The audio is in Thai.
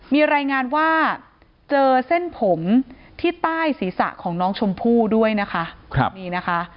มีรายงานว่าเจอเส้นผมที่ใต้ศีรษะของน้องชมผู้ด้วยนะคะ